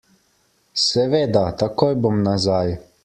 Seveda, takoj bom nazaj.